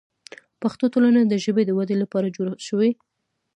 پښتو ټولنه د ژبې د ودې لپاره جوړه شوه.